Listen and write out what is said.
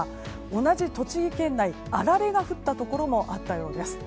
同じ栃木県内、あられが降ったところもあったようです。